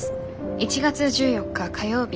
１月１４日火曜日